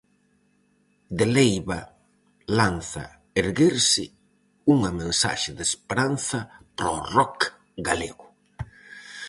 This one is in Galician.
Deleiba lanza "Erguerse", unha mensaxe de esperanza para o rock galego.